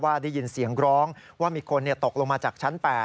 ได้ยินเสียงร้องว่ามีคนตกลงมาจากชั้น๘